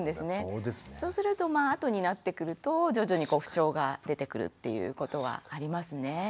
そうするとまあ後になってくると徐々に不調が出てくるっていうことはありますね。